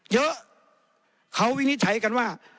เยอะเขาวินิจฉัยกันว่า